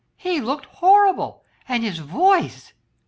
He looked horrible, and his voice